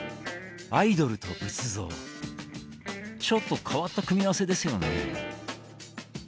ちょっと変わった組み合わせですよね。